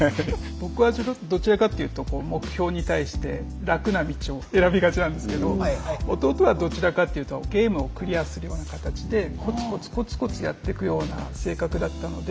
僕はどちらかっていうと目標に対して楽な道を選びがちなんですけど弟はどちらかっていうとゲームをクリアするような形でコツコツコツコツやってくような性格だったので。